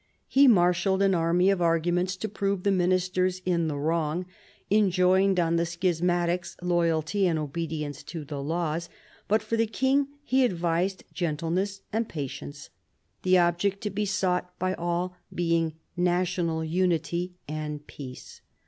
He marshalled an army of arguments to prove the ministers in the wrong; enjoined on the schismatics loyalty and obedience to the laws ; but for the King he advised gentleness and patience ; the object to be sought by all being national unity and peace.